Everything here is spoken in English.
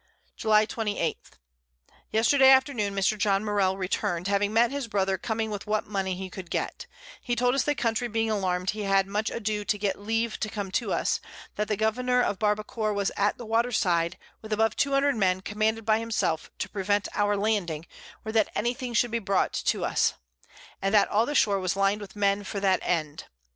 [Sidenote: In Gorgona Road.] July 28. Yesterday Afternoon, Mr. John Morell return'd, having met his Brother coming with what Money he could get; he told us the Country being alarm'd, he had much ado to get Leave to come to us; that the Governour of Barbacore was at the Water side, with above 200 Men commanded by himself, to prevent our Landing, or that any thing should be brought to us; and that all the Shore was lined with Men for that End.